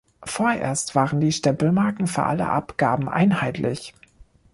Vorerst waren die Stempelmarken für alle Abgaben einheitlich.